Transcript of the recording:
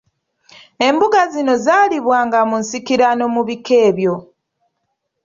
Embuga zino zaalibwanga mu nsikirano mu bika ebyo.